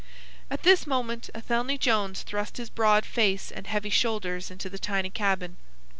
At this moment Athelney Jones thrust his broad face and heavy shoulders into the tiny cabin.